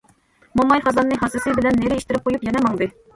موماي خازاننى ھاسىسى بىلەن نېرى ئىتتىرىپ قويۇپ يەنە ماڭدى.